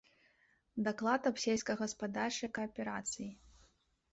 Даклад аб сельскагаспадарчай кааперацыі.